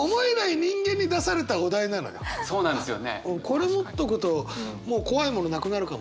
これ持っとくともう怖いものなくなるかもね。